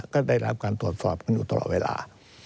ก็ได้รับการตรวจสอบกันอยู่ตลอดเวลา